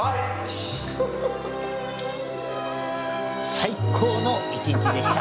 最高の１日でした。